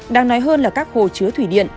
đáng nói hơn là các hồ chứa thủy điện